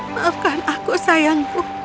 maafkan aku sayangku